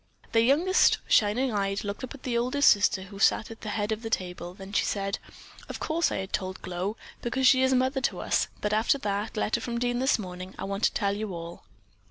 Their youngest, shining eyed, looked up at the oldest sister, who sat at the head of the table, then she said: "Of course I had told Glow, because she is Mother to us, but after that letter from Dean this morning, I want to tell you all."